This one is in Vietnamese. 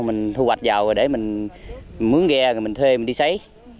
mình thu hoạch vào để mình mướn ghe mình thuê mình đi xấy